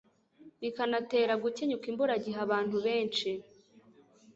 bikanatera gukenyuka imburagihe Abantu benshi